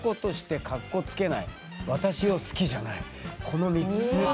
この３つ。